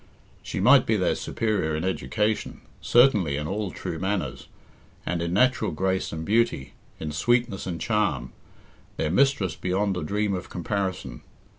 She might be their superior in education, certainly in all true manners, and in natural grace and beauty, in sweetness and charm, their mistress beyond a dream of comparison.